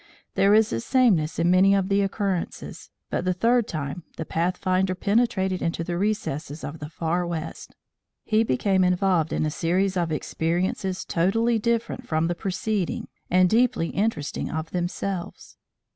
There is a sameness in many of the occurrences but the third time the Pathfinder penetrated into the recesses of the far west, he became involved in a series of experiences totally different from the preceding and deeply interesting of themselves.